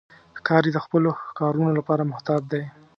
ښکاري د خپلو ښکارونو لپاره محتاط دی.